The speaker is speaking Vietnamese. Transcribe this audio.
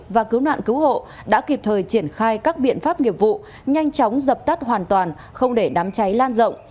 và cứu nạn cứu hộ đã kịp thời triển khai các biện pháp nghiệp vụ nhanh chóng dập tắt hoàn toàn không để đám cháy lan rộng